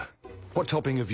おっ！